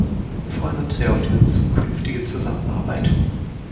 Wir freuen uns sehr auf diese zukünftige Zusammenarbeit.